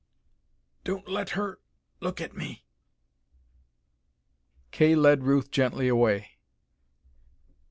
"Don't let her look at me." Kay led Ruth gently away.